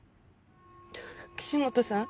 岸本さん？